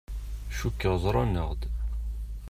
Cukkeɣ ẓran-aɣ-d.